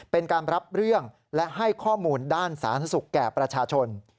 เป็นการรับเรื่องและให้ข้อมูลด้านสาธารณสุขแก่ประชาชน